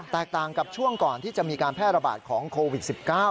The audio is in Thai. ต่างกับช่วงก่อนที่จะมีการแพร่ระบาดของโควิด๑๙